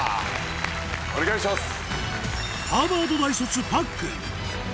お願いします。